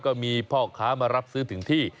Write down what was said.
ก็มีพ่อค้ามารับซื้อถึงที่